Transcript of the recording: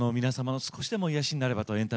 皆様の少しでも癒やしになればと。